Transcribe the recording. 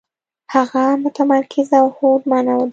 هغه متمرکزه او هوډمنه ده.